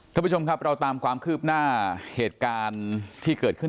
ท่านผู้ชมครับเราตามความคืบหน้าเหตุการณ์ที่เกิดขึ้น